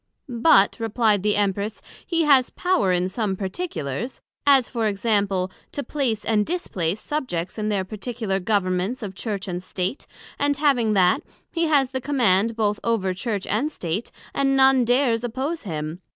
But, replied the Empress, he has power in some particulars; as for example, To place and displace Subjects in their particular Governments of Church and State; and having that, he has the Command both over Church and State, and none dares oppose him.